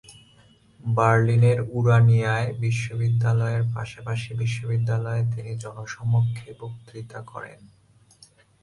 বার্লিনের উরানিয়ায় বিশ্ববিদ্যালয়ের পাশাপাশি বিশ্ববিদ্যালয়ে তিনি জনসমক্ষে বক্তৃতা করেন।